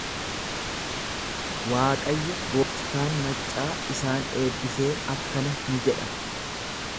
Waaqayyo gooftaan maccaa isaan eebbisee akkana ni jedha.